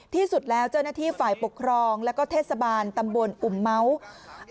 ที่สุดแล้วเจ้าหน้าที่ฝ่ายปกครองแล้วก็เทศบาลตำบลอุ่มเมาส์